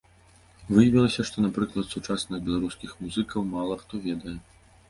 Выявілася, што, напрыклад, сучасных беларускіх музыкаў мала хто ведае.